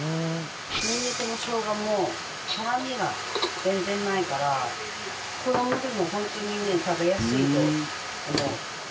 ニンニクも、しょうがも辛みが全然ないから子どもでも、本当にね食べやすいと思う。